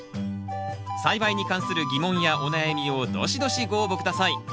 栽培に関する疑問やお悩みをドシドシご応募下さい。